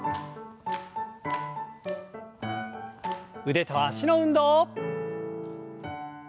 腕と脚の運動。